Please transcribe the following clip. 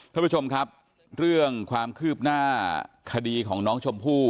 ท่านผู้ชมครับเรื่องความคืบหน้าคดีของน้องชมพู่